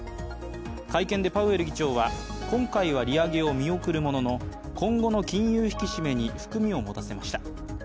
会見でパウエル議長は今回利上げを見送るものの、今後の金融引き締めに含みを持たせました。